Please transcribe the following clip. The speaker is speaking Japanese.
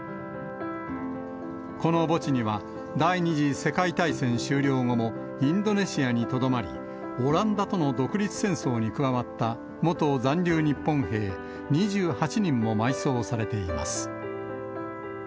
この墓地には、第２次世界大戦終了後もインドネシアにとどまり、オランダとの独立戦争に加わった元残留日本兵２８人も埋葬されています。